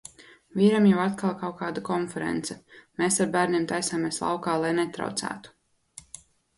Vīram jau atkal ir kaut kāda konference, mēs ar bērniem taisāmies laukā, lai netraucētu.